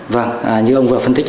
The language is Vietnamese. vâng như ông vừa phân tích